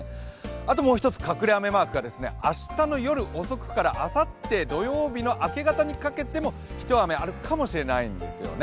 あともう１つ隠れ雨マークが明日の夜遅くからあさって土曜日の明け方にかけても一雨あるかもしれないんですよね。